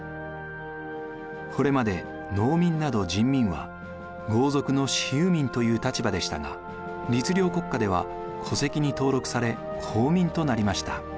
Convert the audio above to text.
これまで農民など人民は豪族の私有民という立場でしたが律令国家では戸籍に登録され公民となりました。